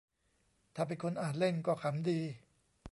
ถ้าเป็นคนอ่านเล่นก็ขำดี